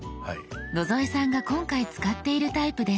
野添さんが今回使っているタイプです。